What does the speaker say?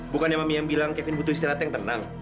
bukannya mami yang bilang kevin butuh istirahat